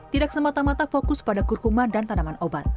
tidak semata mata fokus pada kurkuma dan tanaman obat